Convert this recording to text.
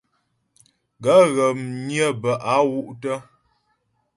Gaə̂ ghə̀ mnyə́ bə a wú’ tə'.